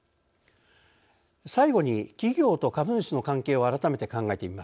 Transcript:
最後に企業と株主の関係を改めて考えてみます。